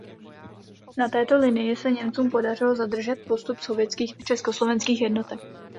Na této linii se Němcům podařilo zadržet postup sovětských a československých jednotek.